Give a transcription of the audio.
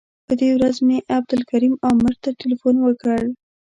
په دې ورځ مې عبدالکریم عامر ته تیلفون وکړ.